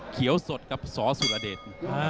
เขียวสดกับสสุรเดช